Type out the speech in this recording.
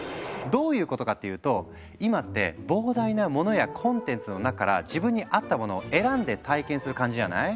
どういうことかっていうと今って膨大なモノやコンテンツの中から自分に合ったものを選んで体験する感じじゃない？